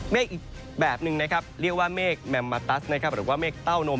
อีกแบบหนึ่งนะครับเรียกว่าเมฆแมมมาตัสนะครับหรือว่าเมฆเต้านม